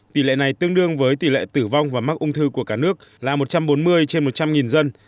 tỷ lệ này tương đương với tỷ lệ tử vong và mắc ung thư của cả nước là một trăm bốn mươi trên một trăm linh dân